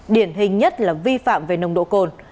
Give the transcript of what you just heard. điển hình nhất là vi phạm về nồng độ cồn